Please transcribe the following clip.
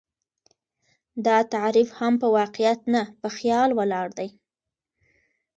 دا تعريف هم په واقعيت نه، په خيال ولاړ دى